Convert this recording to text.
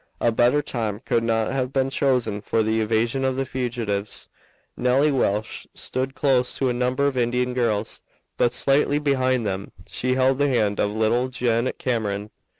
A better time could not have been chosen for the evasion of the fugitives. Nelly Welch stood close to a number of Indian girls, but slightly behind them. She held the hand of little Janet Cameron.